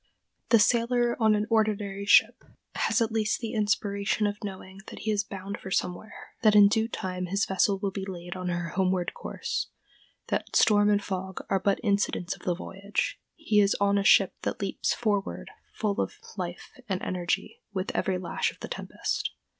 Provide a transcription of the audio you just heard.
The sailor on an ordinary ship has at least the inspiration of knowing that he is bound for somewhere; that in due time his vessel will be laid on her homeward course; that storm and fog are but incidents of the voyage: he is on a ship that leaps forward full of life and energy with every lash of the tempest.